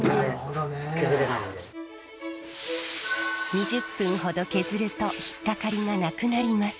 ２０分ほど削るとひっかかりがなくなります。